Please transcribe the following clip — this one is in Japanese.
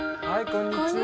こんにちは。